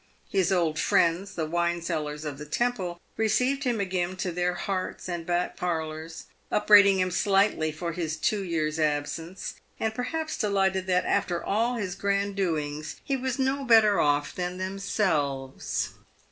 His old friends, the wine sellers ^of the Temple, received him again to their hearts and back parlours, upbraiding him slightly for his two years' absence, and perhaps delighted that, after all his grand doings, he was no better off than themselves.